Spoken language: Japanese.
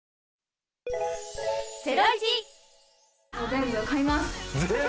全部買います。